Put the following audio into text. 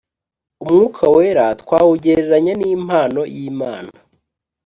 Umwuka wera twawugereranya n impano y imana